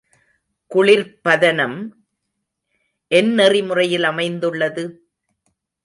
குளிர்ப்பதனம் எந்நெறிமுறையில் அமைந்துள்ளது?